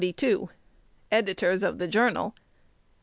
Editors of "The Journal."